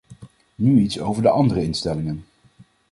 Nu iets over de andere instellingen.